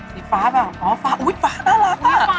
สีฟ้าเปล่าอ๋อฟ้าอุ๊ยฟ้าน่ารักอ่ะ